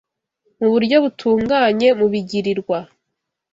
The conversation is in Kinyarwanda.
mu buryo butunganye mu bigirirwa